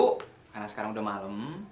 karena sekarang udah malam